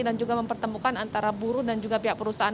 dan juga mempertemukan antara buruh dan juga pihak perusahaan